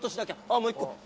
あ、もう１個。